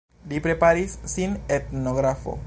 Li preparis sin etnografo.